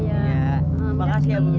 ya udah pertama